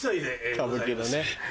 歌舞伎のね。